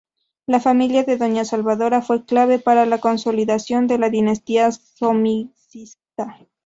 La familia de doña Salvadora fue clave para la consolidación de la dinastía Somocista.